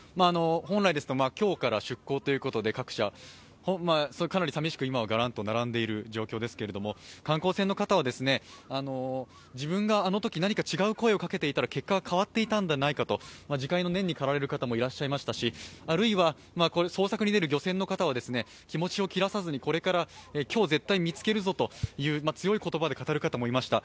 本来ですと今日から出航ということで、各社、かなり寂しく、今はがらんと並んでいる状況ですが、観光船の方は、自分があのとき何か違う声をかけていたら結果は変わっていたのではないかと自戒の念に駆られる方もいらっしゃいましたしあるいは捜索に出る漁船の方は気持ちを切らさずに、これから、今日絶対見つけるぞと強い言葉で語る方もいました。